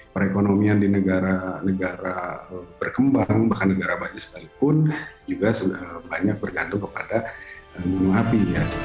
perekonomian di negara negara berkembang bahkan negara bagian sekalipun juga banyak bergantung kepada gunung api